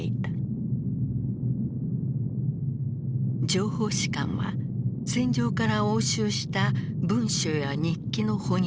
情報士官は戦場から押収した文書や日記の翻訳に当たった。